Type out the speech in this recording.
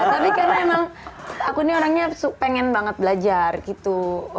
tapi karena emang aku nih orangnya pengen banget belajar gitu